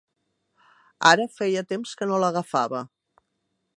Ara feia temps que no l'agafava.